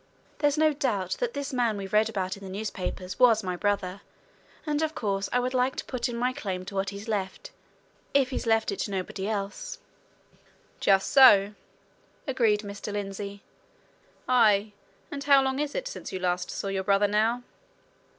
There's no doubt that this man we've read about in the newspapers was my brother, and of course I would like to put in my claim to what he's left if he's left it to nobody else." "Just so," agreed Mr. Lindsey. "Aye and how long is it since you last saw your brother, now?"